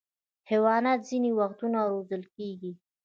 حیوانات ځینې وختونه روزل کېږي.